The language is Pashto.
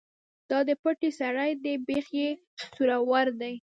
ـ دا دې پټي سر دى ،بېخ يې سورور دى.